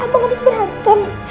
abang abis berantem